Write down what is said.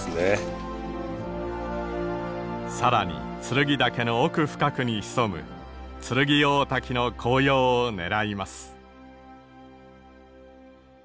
更に剱岳の奥深くに潜む剱大滝の紅葉を狙います。